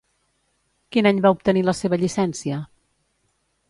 Quin any va obtenir la seva llicència?